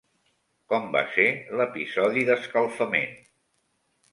Com va ser l'episodi d'escalfament?